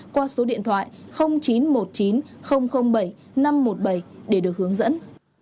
qua số điện thoại chín trăm một mươi chín bảy năm trăm một mươi bảy để được hướng dẫn